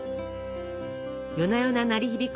夜な夜な鳴り響く